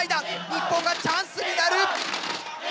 日本がチャンスになる！